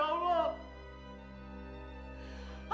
ampuni hamba ya allah